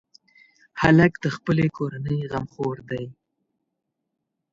هلک د خپلې کورنۍ غمخور دی.